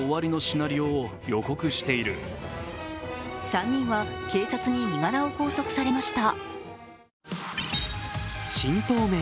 ３人は警察に身柄を拘束されました。